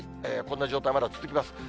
こんな状態、まだ続きます。